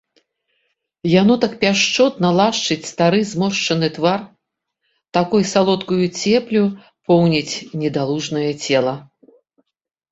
Яно так пяшчотна лашчыць стары зморшчаны твар, такой салодкаю цеплю поўніць недалужнае цела.